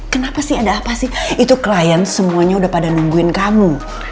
kenapa sih ada apa sih itu klien semuanya udah pada nungguin kamu